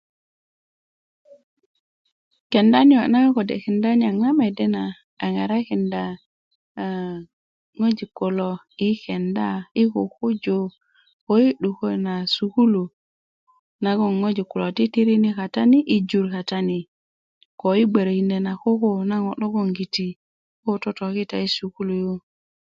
kenda niyo' na kode' kenda niyaŋ na mede na a ŋarakinda a ŋwajik kulo i kenda i kukuju koko yi 'dukö na sukulu naŋ ŋwajik kulo titirini kata ni i jur kata ni ko i gböraökindö na koko ŋo' logoŋgiti koko totokita i sukulu yu